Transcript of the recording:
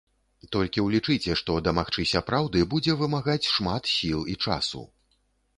Толькі ўлічыце, што дамагчыся праўды будзе вымагаць шмат сіл і часу.